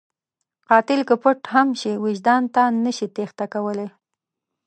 قاتل که پټ هم شي، وجدان ته نشي تېښته کولی